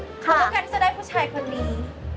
ควรการที่จะได้ผู้ชายคนนี้